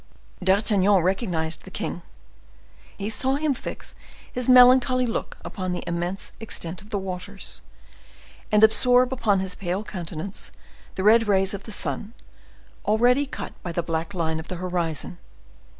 D'Artagnan recognized the king; he saw him fix his melancholy look upon the immense extent of the waters, and absorb upon his pale countenance the red rays of the sun already cut by the black line of the horizon.